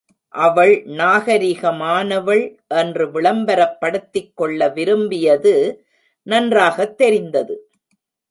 அவள் நாகரிகமானவள் என்று விளம்பரப்படுத்திக் கொள்ள விரும்பியது நன்றாகத் தெரிந்தது.